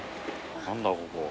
何だここ。